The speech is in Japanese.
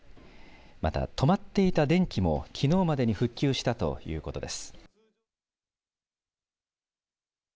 また止まっていた電気も昨日までに復旧したということです。